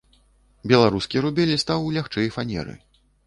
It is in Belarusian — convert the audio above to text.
Беларускі рубель стаў лягчэй фанеры.